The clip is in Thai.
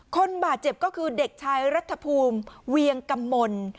คนบาดเจ็บก็คือเด็กชายรัฐภูมิเวียงกำมล